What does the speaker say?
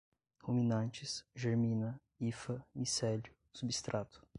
ruminantes, germina, hifa, micélio, substrato